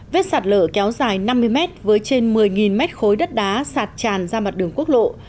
vết sạt lở kéo dài năm mươi mét với trên một mươi mét khối đất đá sạt tràn ra mặt đường quốc lộ